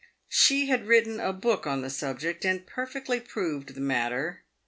She had written a book on the subject, and perfectly proved the matter.